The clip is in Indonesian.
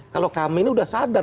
kalau kami ini sudah sadar